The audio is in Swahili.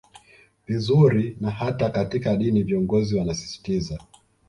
vizuri na hata katika dini viongozi wanasisitiza